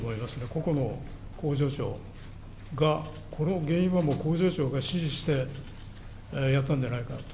個々の工場長が、この原因はもう工場長が指示してやったんじゃないか。